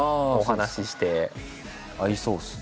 合いそうですね。